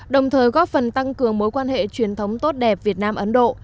đồng thời góp phần tăng cường mối quan hệ truyền thống tốt đẹp việt nam ấn độ